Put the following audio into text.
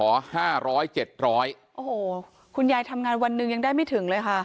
โอ้โหคุณยายทำงานวันหนึ่งยังได้ไม่ถึงเลยค่ะ